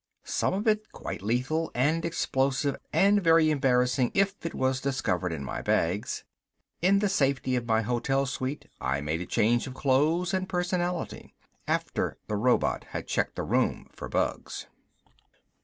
Some of it quite lethal and explosive, and very embarrassing if it was discovered in my bags. In the safety of my hotel suite I made a change of clothes and personality. After the robot had checked the rooms for bugs.